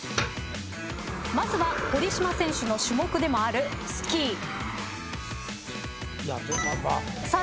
まずは堀島選手の主力種目でもあるスキー。